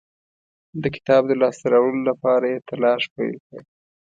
د کتاب د لاسته راوړلو لپاره یې تلاښ پیل کړ.